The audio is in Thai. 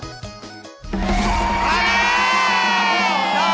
ที่มีชื่อว่ายาวสุดยอดอันสอบเจรคนั่นเองแหละครับ